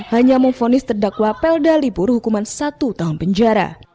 hanya memfonis terdakwa peldalipur hukuman satu tahun penjara